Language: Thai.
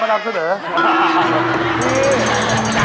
ขอบศาสตร์